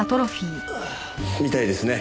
みたいですね。